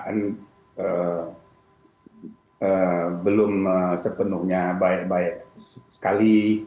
kan belum sepenuhnya baik baik sekali